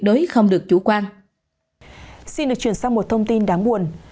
đối không được chủ quan xin được truyền sang một thông tin đáng buồn